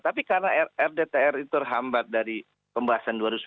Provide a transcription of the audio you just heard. tapi karena rdtr itu terhambat dari pembahasan dua ribu sembilan belas